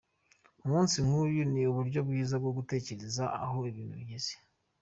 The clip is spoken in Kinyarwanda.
Umunsi nk’uyu ni uburyo bwiza bwo gutekereza aho ibintu bigeze.